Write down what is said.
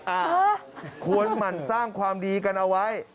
อ่ะควรหมั่นสร้างความดีกันเอาไว้